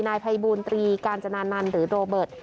นายภัยบูลตรีกาญจนานันต์หรือโรเบิร์ต